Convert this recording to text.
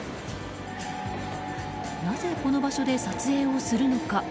なぜ、この場所で撮影をするのか。